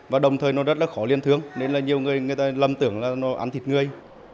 và đồng thời nó rất là khó liên thương nên là nhiều người người ta lâm tưởng là nó ăn thịt người